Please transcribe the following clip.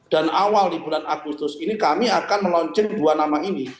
dan awal di bulan agustus ini kami akan melanceng dua nama ini